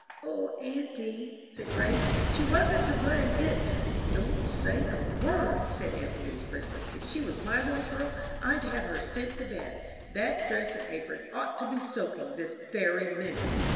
"O, auntie," said Grace, "she wasn't to blame. It " "Don't say a word," said aunt Louise, briskly. "If she was my little girl I'd have her sent to bed. That dress and apron ought to be soaking this very minute."